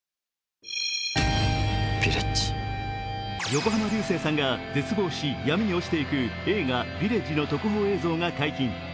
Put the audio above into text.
横浜流星さんが絶望し、やみにおちていく映画「ヴィレッジ」の特報映像が解禁。